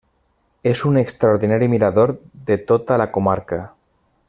És un extraordinari mirador de tota la comarca.